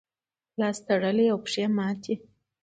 لاس تړلی او پښې ماتې.